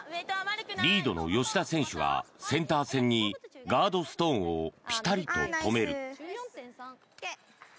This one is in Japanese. リードの吉田選手がセンター線にガードストーンをぴたりと止める。